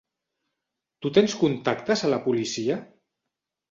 Tu tens contactes a la policia?